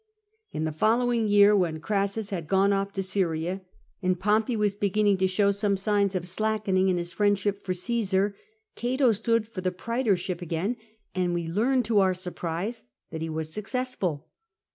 In the following year, when Crassus had gone off to Syria, and Pompey was beginning to show some signs of slackening in his friendship for Caesar, Cato stood for the praetorship again, and we learn to our surprise that he was successful.